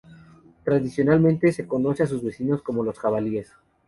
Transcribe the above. Tradicionalmente, se conoce a sus vecinos como los jabalíes.